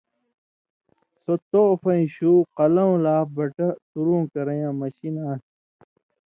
سو توفَیں شُو قلاؤں لا بَٹہ تُرُوں کرَیں یاں مشین آن٘س۔